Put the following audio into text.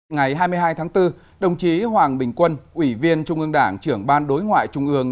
ngày hai mươi hai tháng bốn đồng chí hoàng bình quân ủy viên trung ương đảng trưởng ban đối ngoại trung ương